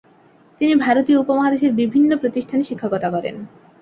তিনি ভারতীয় উপমহাদেশের বিভিন্ন প্রতিষ্ঠানে শিক্ষকতা করেন।